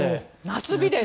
夏日です。